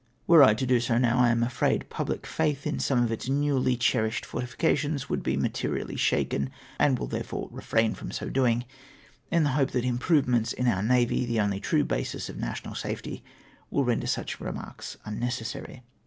Were I now to do so, I am afi'aid pubhc faith in some of its newly cherished fortifications would be materially shaken, and will therefore refrain from so doing, in the hope that improvements in our na\y, the only true basis of national safety, will render such remarks unnecessary.